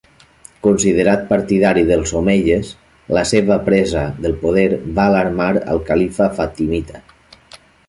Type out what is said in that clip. Considerat partidari dels omeies, la seva presa del poder va alarmar al califa fatimita.